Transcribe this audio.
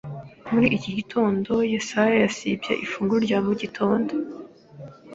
Muri iki gitondo, Yesuwa yasibye ifunguro rya mu gitondo.